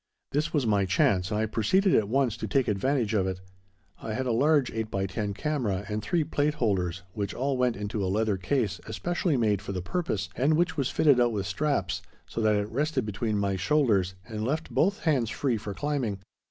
This was my chance, and I proceeded at once to take advantage of it. I had a large 8 x 10 camera and three plate holders, which all went into a leather case especially made for the purpose, and which was fitted out with straps, so that it rested between my shoulders and left both hands free for climbing.